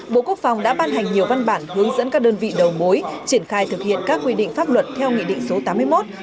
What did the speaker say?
bộ quốc phòng đã ban hành nhiều văn bản hướng dẫn các đơn vị đầu mối triển khai thực hiện các quy định pháp luật theo nghị định số tám mươi một